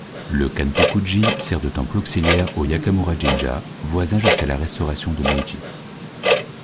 Le Kanpuku-ji sert de temple auxiliaire au Yamakura-jinja voisin jusqu'à la restauration de Meiji.